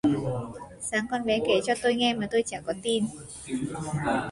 sáng con bé có kể cho tôi nghe mà tôi chả có tin